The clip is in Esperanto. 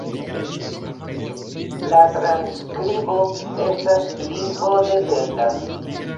La transskribo estas lingvo-dependa.